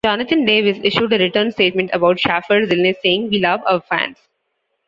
Jonathan Davis issued a written statement about Shaffer's illness saying, We love our fans.